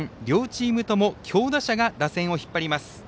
両チームとも強打者が打線を引っ張ります。